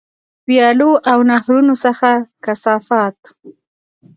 ویالو او نهرونو څخه کثافات.